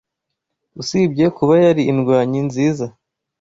Usibye kuba yari indwanyi nziza